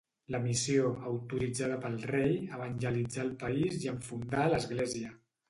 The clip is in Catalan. La missió, autoritzada pel rei, evangelitzà el país i en fundà l'església.